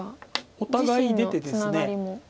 お互いに出てですね